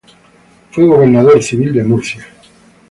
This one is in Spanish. Fue gobernador civil de Murcia.